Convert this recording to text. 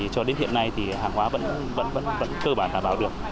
cho đến hiện nay thì hàng hóa vẫn cơ bản là vào được